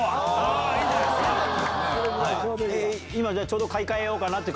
ちょうど買い替えようかなって。